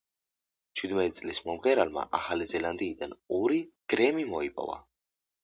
ჩვიდმეტი წლის მომღერალმა ახალი ზელანდიიდან, ორი „გრემი“ მოიპოვა.